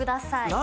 何？